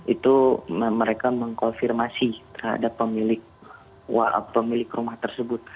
itu mereka mengkonfirmasi terhadap pemilik rumah tersebut